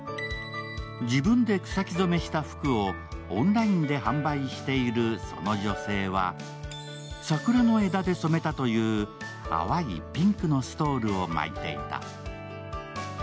自分で草木染めした服をオンラインで販売しているその女性は桜の枝で染めたという淡いピンクのストールを巻いていた。